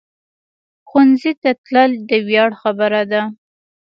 ښوونځی ته تلل د ویاړ خبره ده